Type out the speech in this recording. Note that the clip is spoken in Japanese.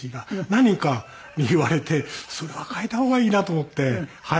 何人かに言われてそれは変えた方がいいなと思って変えたんですけども。